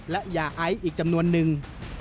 และยาไอซ์อีกจำนวนนึง